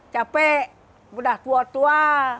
capek sudah tua tua